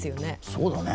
そうだね。